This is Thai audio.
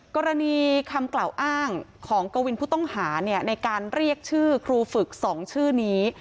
กรณีคำกล่าวอ้างของกวินผู้ต้องหาในการเรียกชื่อครูฝึก๒ชื่อนี้